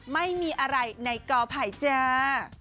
ไม่มีอะไรในกอไผ่จ้า